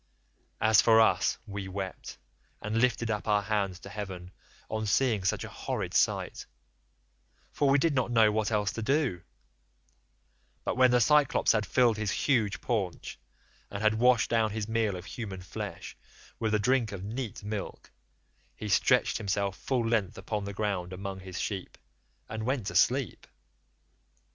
As for us, we wept and lifted up our hands to heaven on seeing such a horrid sight, for we did not know what else to do; but when the Cyclops had filled his huge paunch, and had washed down his meal of human flesh with a drink of neat milk, he stretched himself full length upon the ground among his sheep, and went to sleep.